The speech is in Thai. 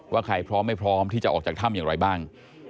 ว่าใครพร้อมไม่พร้อมที่จะออกจากถ้ำอย่างไรบ้าง